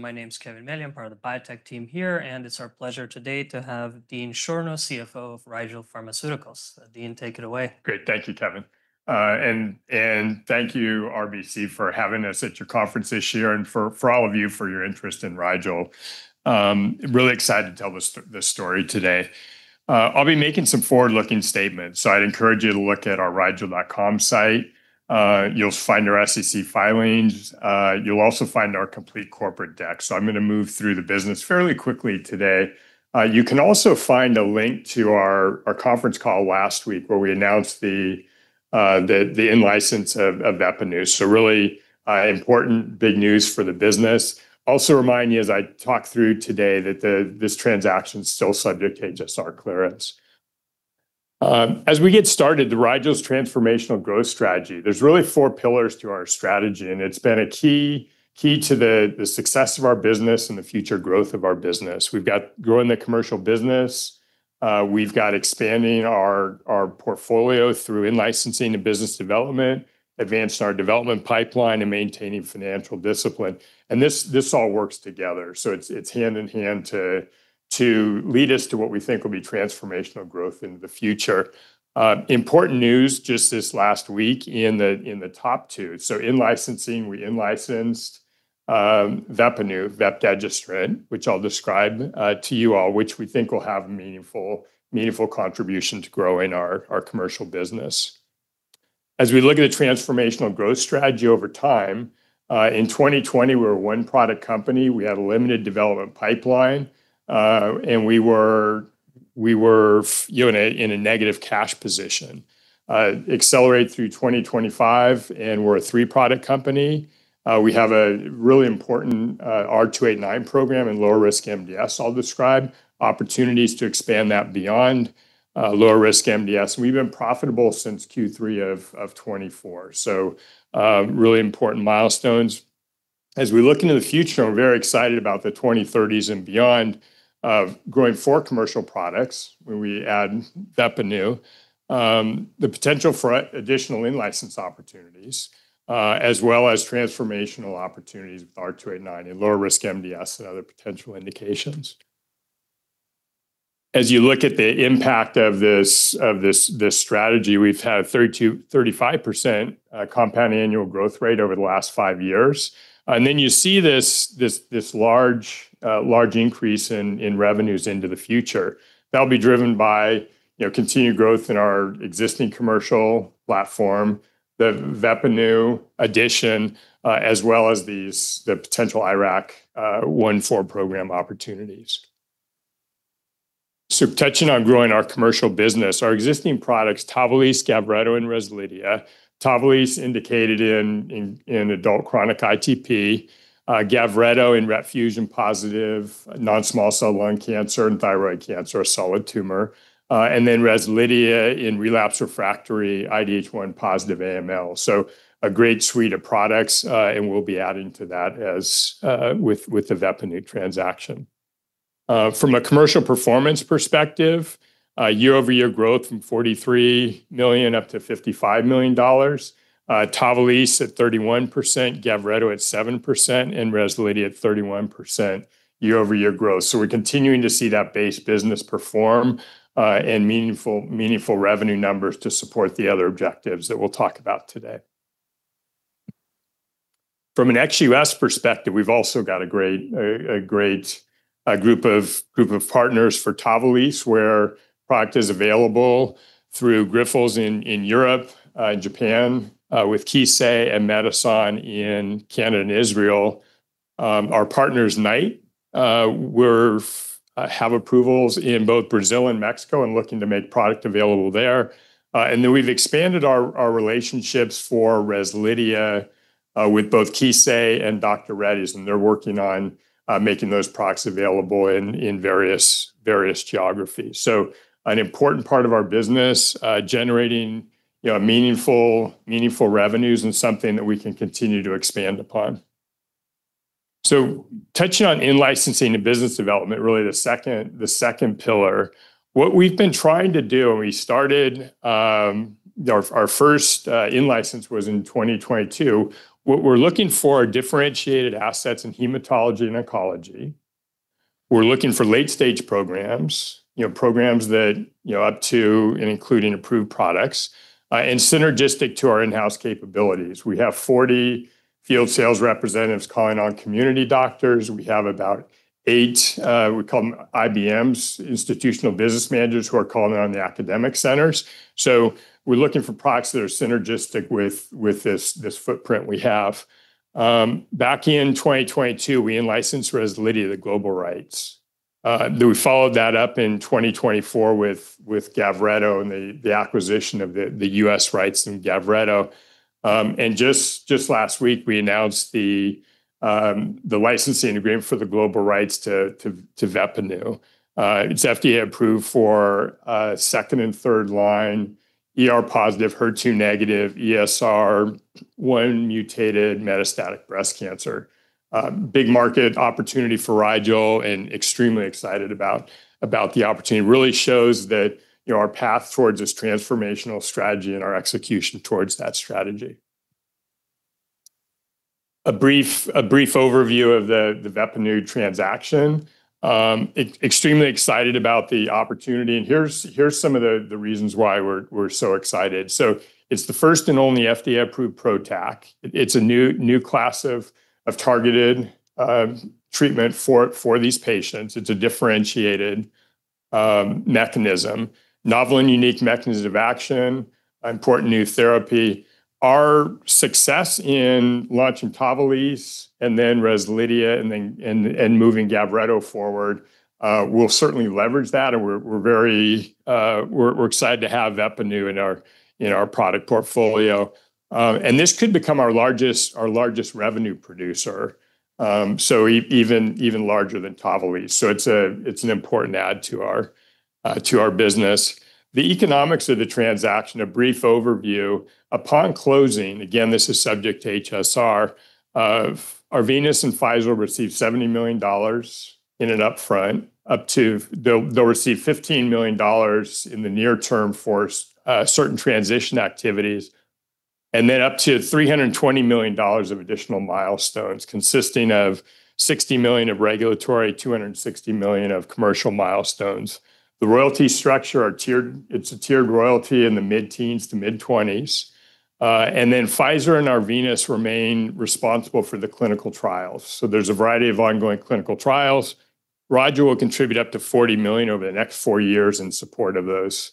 My name's Kevin Meli, from the biotech team here, and it's our pleasure today to have Dean Schorno, CFO of Rigel Pharmaceuticals. Dean, take it away. Great. Thank you, Kevin. Thank you, RBC, for having us at your conference this year and for all of you for your interest in Rigel. Really excited to tell this story today. I'll be making some forward-looking statements, so I'd encourage you to look at our rigel.com site. You'll find our SEC filings. You'll also find our complete corporate deck. I'm gonna move through the business fairly quickly today. You can also find a link to our conference call last week, where we announced the in-license of VEPPANU. Really important big news for the business. Also remind you as I talk through today that this transaction's still subject to HSR clearance. As we get started, Rigel's transformational growth strategy, there's really four pillars to our strategy, and it's been a key to the success of our business and the future growth of our business. We've got growing the commercial business. We've got expanding our portfolio through in-licensing and business development, advancing our development pipeline, and maintaining financial discipline. This all works together, so it's hand in hand to lead us to what we think will be transformational growth in the future. Important news just this last week in the top two. In-licensing, we in-licensed VEPPANU, vepdegestrant, which I'll describe to you all, which we think will have meaningful contribution to growing our commercial business. As we look at the transformational growth strategy over time, in 2020 we were a one-product company. We had a limited development pipeline, and we were, you know, in a negative cash position. Accelerate through 2025, we're a three-product company. We have a really important R289 program in lower-risk MDS I'll describe, opportunities to expand that beyond lower-risk MDS, we've been profitable since Q3 of 2024. Really important milestones. As we look into the future, we're very excited about the 2030s and beyond of growing four commercial products when we add VEPPANU, the potential for additional in-license opportunities, as well as transformational opportunities with R289 in lower-risk MDS and other potential indications. As you look at the impact of this strategy, we've had 32%-35% compound annual growth rate over the last five years. You see this large increase in revenues into the future. That'll be driven by, you know, continued growth in our existing commercial platform, the VEPPANU addition, as well as these the potential IRAK1/4 program opportunities. Touching on growing our commercial business, our existing products, TAVALISSE, GAVRETO, and REZLIDHIA. TAVALISSE indicated in adult chronic ITP, GAVRETO in RET fusion-positive non-small cell lung cancer and thyroid cancer, a solid tumor, REZLIDHIA in relapse refractory IDH1 positive AML. A great suite of products, we'll be adding to that with the VEPPANU transaction. From a commercial performance perspective, year-over-year growth from $43 million up to $55 million. TAVALISSE at 31%, GAVRETO at 7%, and REZLIDHIA at 31% year-over-year growth. We're continuing to see that base business perform, and meaningful revenue numbers to support the other objectives that we'll talk about today. From an ex-U.S. perspective, we've also got a great group of partners for TAVALISSE, where product is available through Grifols in Europe, in Japan, with Kissei and Medison in Canada and Israel. Our partners, Knight, we have approvals in both Brazil and Mexico and looking to make product available there. We've expanded our relationships for REZLIDHIA, with both Kissei and Dr. Reddy's, and they're working on making those products available in various geographies. An important part of our business, generating, you know, meaningful revenues and something that we can continue to expand upon. Touching on in-licensing and business development, really the second pillar, what we've been trying to do, and we started, our first in-license was in 2022. What we're looking for are differentiated assets in hematology and oncology. We're looking for late-stage programs, you know, programs that, you know, up to and including approved products, and synergistic to our in-house capabilities. We have 40 field sales representatives calling on community doctors. We have about eight, we call them IBMs, institutional business managers, who are calling on the academic centers. We're looking for products that are synergistic with this footprint we have. Back in 2022, we in-licensed REZLIDHIA the global rights. We followed that up in 2024 with GAVRETO and the acquisition of the U.S. rights in GAVRETO. Just last week we announced the licensing agreement for the global rights to VEPPANU. It's FDA approved for second and third line, ER+/HER2-, ESR1 mutated metastatic breast cancer. Big market opportunity for Rigel and extremely excited about the opportunity. Really shows that, you know, our path towards this transformational strategy and our execution towards that strategy. A brief overview of the VEPPANU transaction. Extremely excited about the opportunity, and here's some of the reasons why we're so excited. It's the first and only FDA-approved PROTAC. It's a new class of targeted treatment for these patients. It's a differentiated mechanism. Novel and unique mechanism of action, important new therapy. Our success in launching TAVALISSE and then REZLIDHIA and then and moving GAVRETO forward, we'll certainly leverage that and we're very excited to have VEPPANU in our product portfolio. This could become our largest revenue producer, even larger than TAVALISSE. It's an important add to our business. The economics of the transaction, a brief overview. Upon closing, again, this is subject to HSR, Arvinas and Pfizer will receive $70 million in an upfront. They'll receive $15 million in the near term for certain transition activities, and then up to $320 million of additional milestones consisting of $60 million of regulatory, $260 million of commercial milestones. The royalty structure is a tiered royalty in the mid-teens to mid-20s. Pfizer and Arvinas remain responsible for the clinical trials. There's a variety of ongoing clinical trials. Rigel will contribute up to $40 million over the next four years in support of those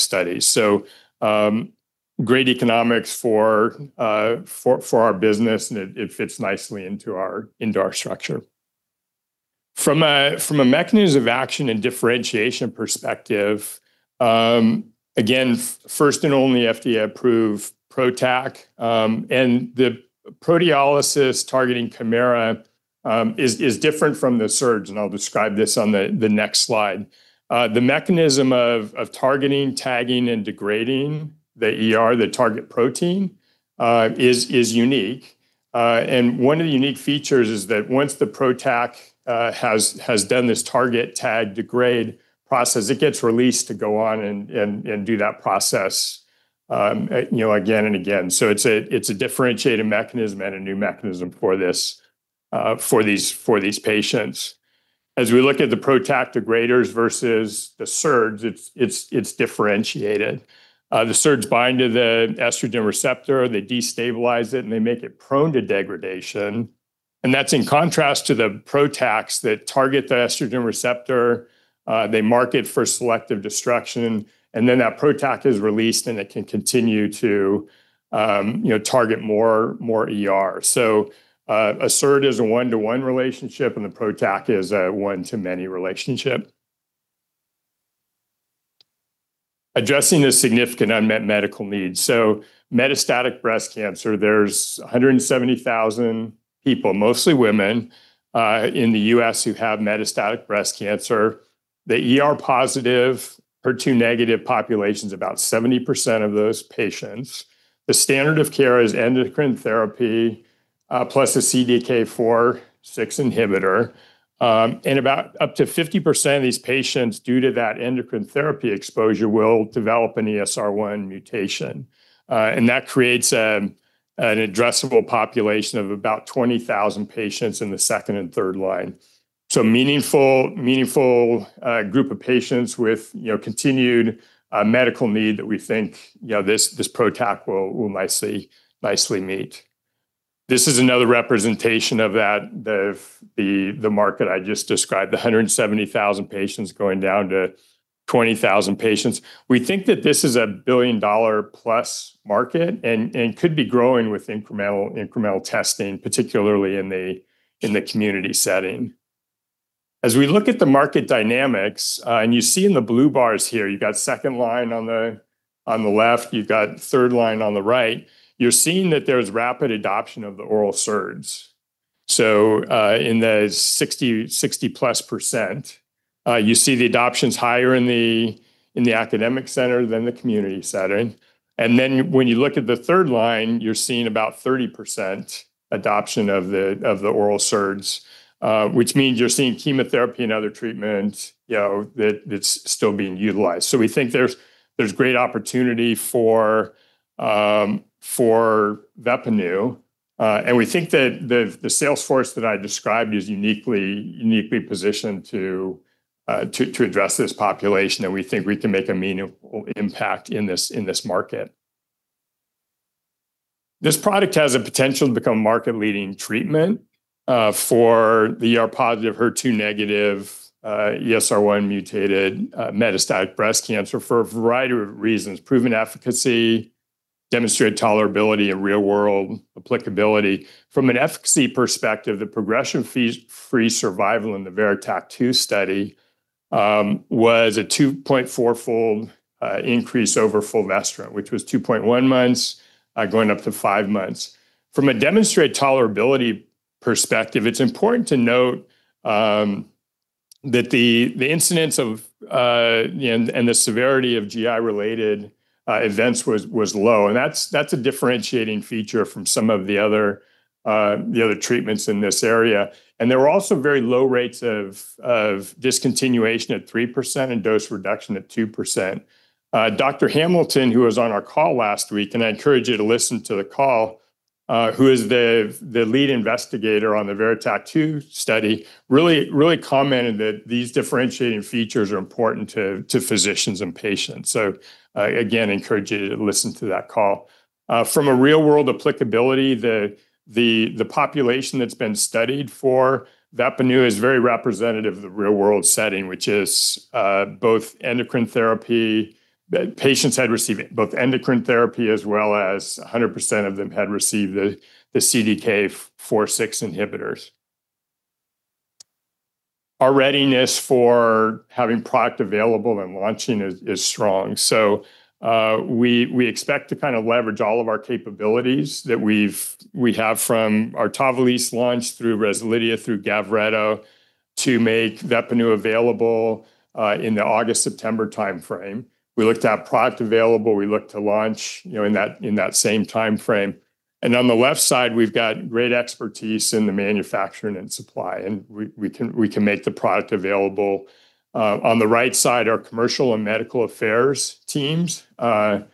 studies. Great economics for our business and it fits nicely into our structure. From a mechanism of action and differentiation perspective, again, first and only FDA-approved PROTAC, and the proteolysis targeting chimera is different from the SERDs, and I'll describe this on the next slide. The mechanism of targeting, tagging, and degrading the ER, the target protein, is unique. And one of the unique features is that once the PROTAC has done this target tag degrade process, it gets released to go on and, and do that process, you know, again and again. It's a, it's a differentiated mechanism and a new mechanism for this for these, for these patients. As we look at the PROTAC degraders versus the SERDs, it's, it's differentiated. The SERDs bind to the estrogen receptor, they destabilize it, and they make it prone to degradation, and that's in contrast to the PROTACs that target the estrogen receptor, they mark it for selective destruction, and then that PROTAC is released and it can continue to, you know, target more, more ER. A SERD is a one-to-one relationship and the PROTAC is a one-to-many relationship. Addressing the significant unmet medical needs. Metastatic breast cancer, there's 170,000 people, mostly women, in the U.S. who have metastatic breast cancer. The ER+/HER2- population's about 70% of those patients. The standard of care is endocrine therapy, plus a CDK4/6 inhibitor, and about up to 50% of these patients due to that endocrine therapy exposure will develop an ESR1 mutation. That creates an addressable population of about 20,000 patients in the second and third line. Meaningful group of patients with, you know, continued medical need that we think, you know, this PROTAC will nicely meet. This is another representation of that, the market I just described, the 170,000 patients going down to 20,000 patients. We think that this is a billion-dollar plus market and could be growing with incremental testing, particularly in the community setting. As we look at the market dynamics, and you see in the blue bars here, you've got second line on the left, you've got third line on the right, you're seeing that there's rapid adoption of the oral SERDs. In the 60%+ you see the adoption's higher in the academic center than the community center. When you look at the third line, you're seeing about 30% adoption of the oral SERDs, which means you're seeing chemotherapy and other treatment, you know, that it's still being utilized. We think there's great opportunity for VEPPANU, and we think that the sales force that I described is uniquely positioned to address this population and we think we can make a meaningful impact in this market. This product has a potential to become market-leading treatment for the ER+/HER2-, ESR1-mutated, metastatic breast cancer for a variety of reasons. Proven efficacy, demonstrated tolerability in real world, applicability. From an efficacy perspective, the progression-free survival in the VERITAC-2 study was a 2.4-fold increase over fulvestrant, which was 2.1 months, going up to five months. From a demonstrated tolerability perspective, it's important to note that the incidence of and the severity of GI-related events was low, and that's a differentiating feature from some of the other treatments in this area. There were also very low rates of discontinuation at 3% and dose reduction at 2%. Dr. Hamilton, who was on our call last week, and I encourage you to listen to the call, who is the lead investigator on the VERITAC-2 study, really commented that these differentiating features are important to physicians and patients. Again, encourage you to listen to that call. From a real-world applicability, the population that's been studied for VEPPANU is very representative of the real-world setting, which is both endocrine therapy. Patients had received both endocrine therapy as well as 100% of them had received the CDK4/6 inhibitors. Our readiness for having product available and launching is strong. We expect to kinda leverage all of our capabilities that we have from our TAVALISSE launch through REZLIDHIA through GAVRETO to make VEPPANU available in the August-September timeframe. We look to have product available, we look to launch, you know, in that, in that same timeframe. On the left side, we've got great expertise in the manufacturing and supply, and we can make the product available. On the right side, our commercial and medical affairs teams are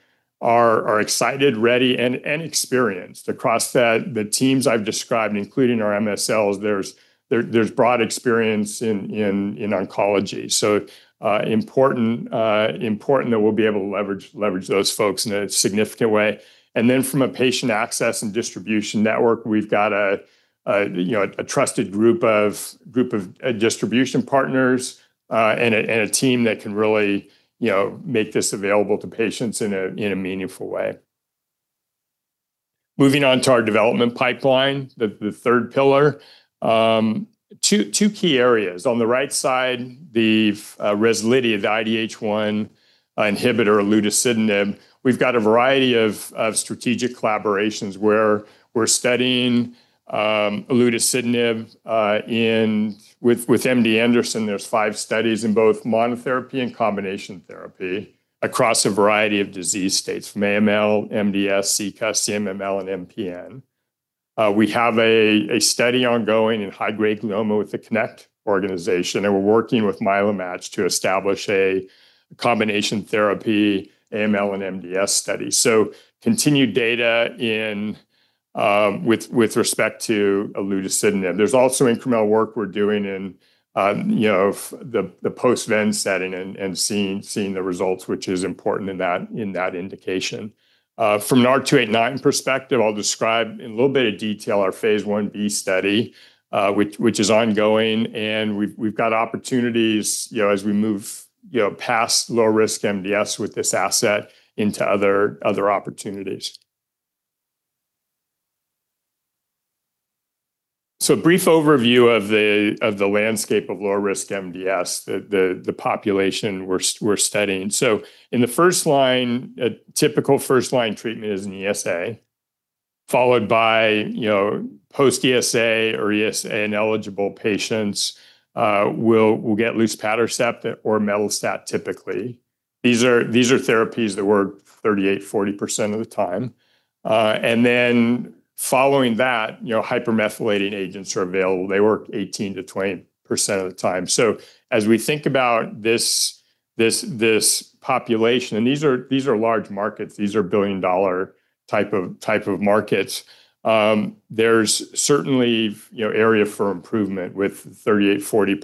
excited, ready, and experienced across the teams I've described, including our MSLs. There's broad experience in oncology. Important that we'll be able to leverage those folks in a significant way. Then from a patient access and distribution network, we've got a, you know, a trusted group of distribution partners and a team that can really, you know, make this available to patients in a meaningful way. Moving on to our development pipeline, the third pillar. Two key areas. On the right side, REZLIDHIA, the IDH1 inhibitor, olutasidenib. We've got a variety of strategic collaborations where we're studying olutasidenib in with MD Anderson, there's five studies in both monotherapy and combination therapy across a variety of disease states from AML, MDS, CCUS, CMML, and MPN. We have a study ongoing in high-grade glioma with the CONNECT organization, and we're working with MyeloMATCH to establish a combination therapy AML and MDS study. So continued data in with respect to olutasidenib. There's also incremental work we're doing in, you know, the post-ven setting and seeing the results, which is important in that indication. From an R289 perspective, I'll describe in a little bit of detail our phase I-B study, which is ongoing, and we've got opportunities, you know, as we move, you know, past lower-risk MDS with this asset into other opportunities. Brief overview of the landscape of lower-risk MDS, the population we're studying. In the first-line, a typical first-line treatment is an ESA followed by, you know, post-ESA or ESA and eligible patients will get luspatercept or imetelstat typically. These are therapies that work 38%-40% of the time. Following that, you know, hypomethylating agents are available. They work 18%-20% of the time. As we think about this population, and these are large markets, these are billion-dollar type of markets, there's certainly, you know, area for improvement with 38%,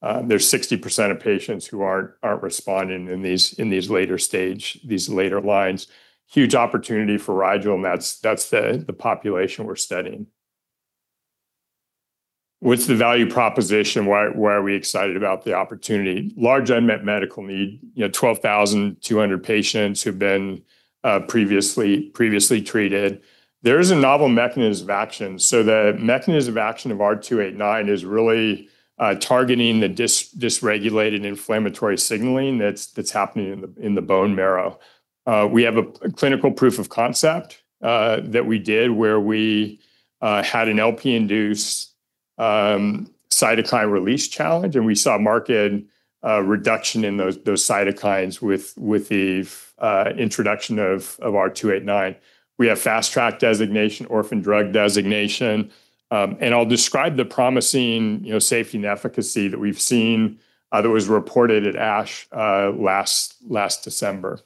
40%. There's 60% of patients who aren't responding in these later stage, these later lines. Huge opportunity for Rigel, and that's the population we're studying. What's the value proposition? Why are we excited about the opportunity? Large unmet medical need. You know, 12,200 patients who've been previously treated. There is a novel mechanism of action. The mechanism of action of R289 is really targeting the dysregulated inflammatory signaling that's happening in the bone marrow. We have a clinical proof of concept that we did where we had an LPS-induced cytokine release challenge, and we saw marked reduction in those cytokines with the introduction of R289. We have Fast Track designation, Orphan Drug designation, and I'll describe the promising, you know, safety and efficacy that we've seen that was reported at ASH last December.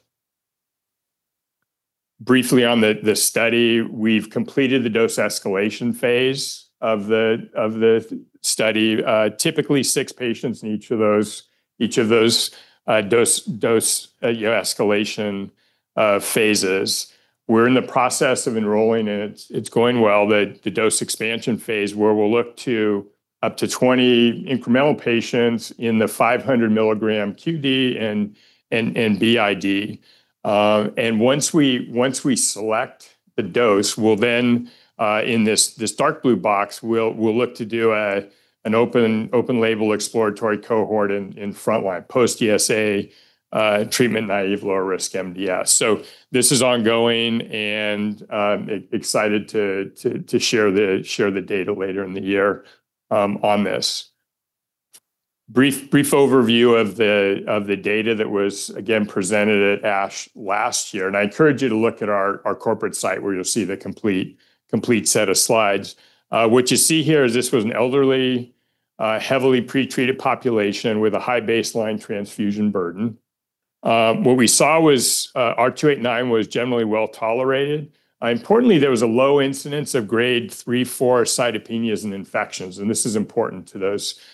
Briefly on the study, we've completed the dose escalation phase of the study. Typically six patients in each of those dose, you know, escalation phases. We're in the process of enrolling, and it's going well. The dose expansion phase where we'll look to up to 20 incremental patients in the 500 mg QD and BID. Once we select the dose, we'll then in this dark blue box, we'll look to do an open-label exploratory cohort in frontline post-ESA, treatment-naive, lower risk MDS. This is ongoing and excited to share the data later in the year on this. Brief overview of the data that was again presented at ASH last year, and I encourage you to look at our corporate site where you'll see the complete set of slides. What you see here is this was an elderly, heavily pretreated population with a high baseline transfusion burden. What we saw was R289 was generally well-tolerated. Importantly, there was a low incidence of Grade 3/4 cytopenias and infections, and this is important to those patients.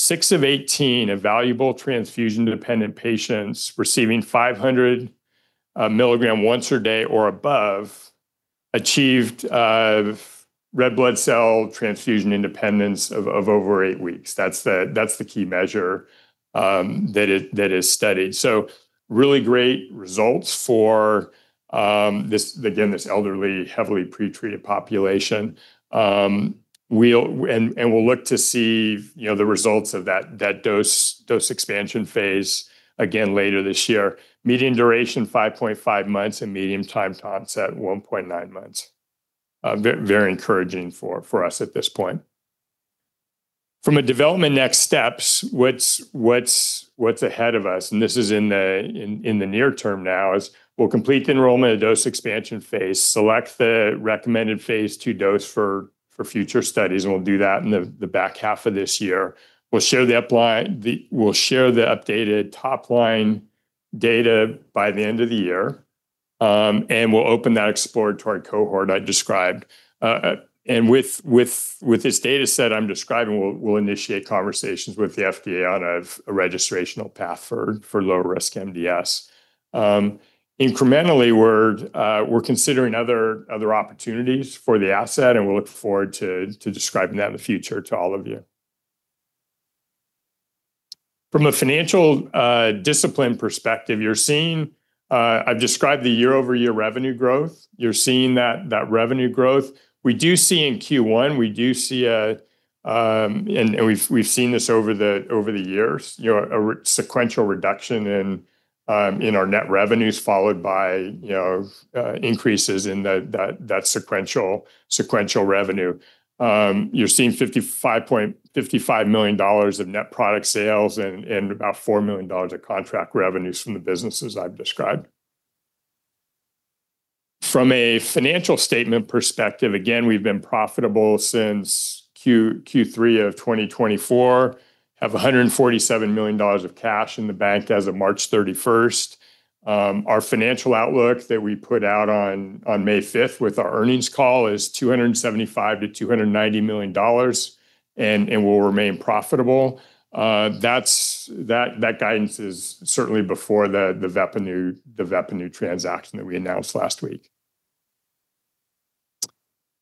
Six of 18 evaluable transfusion-dependent patients receiving 500 mg once a day or above achieved red blood cell transfusion independence of over eight weeks. That's the key measure that is studied. Really great results for this again, this elderly, heavily pre-treated population. We'll look to see, you know, the results of that dose expansion phase again later this year. Median duration 5.5 months and median time to onset 1.9 months. Very encouraging for us at this point. From a development next steps, what's ahead of us, and this is in the near term now, is we'll complete the enrollment of dose expansion phase, select the recommended phase II dose for future studies, and we'll do that in the back half of this year. We'll share the updated top-line data by the end of the year, and we'll open that exploratory cohort I described. With this data set I'm describing, we'll initiate conversations with the FDA on a registrational path for low risk MDS. Incrementally we're considering other opportunities for the asset, and we look forward to describing that in the future to all of you. From a financial discipline perspective, you're seeing, I've described the year-over-year revenue growth. You're seeing that revenue growth. We do see in Q1, we do see a and we've seen this over the years, you know, a sequential reduction in our net revenues, followed by, you know, increases in that sequential revenue. You're seeing $55.55 million of net product sales and about $4 million of contract revenues from the businesses I've described. From a financial statement perspective, again, we've been profitable since Q3 of 2024. Have $147 million of cash in the bank as of March 31st. Our financial outlook that we put out on May 5th with our earnings call is $275 million-$290 million and will remain profitable. That guidance is certainly before the VEPPANU transaction that we announced last week.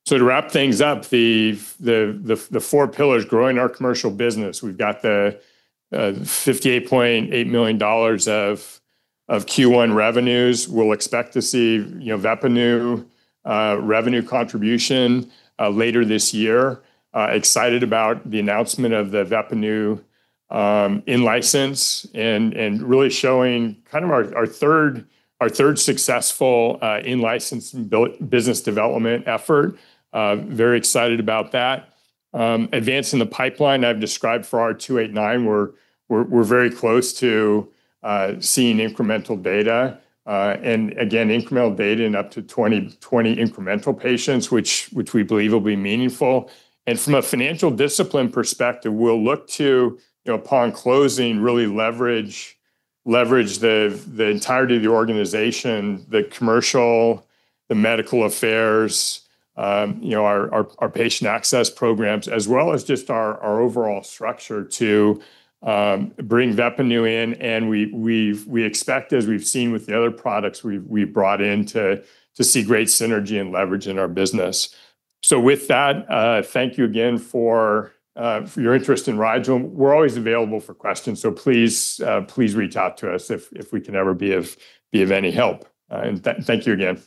To wrap things up, the four pillars growing our commercial business, we've got the $58.8 million of Q1 revenues. We'll expect to see, you know, VEPPANU revenue contribution later this year. Excited about the announcement of the VEPPANU in-license and really showing kind of our third successful in-license business development effort. Very excited about that. Advancing the pipeline I've described for R289, we're very close to seeing incremental data. And again, incremental data in up to 20 incremental patients, which we believe will be meaningful. From a financial discipline perspective, we'll look to, you know, upon closing, really leverage the entirety of the organization, the commercial, the medical affairs, you know, our patient access programs, as well as just our overall structure to bring VEPPANU in, and we expect, as we've seen with the other products we've brought in, to see great synergy and leverage in our business. With that, thank you again for your interest in Rigel. We're always available for questions, so please reach out to us if we can ever be of any help. Thank you again.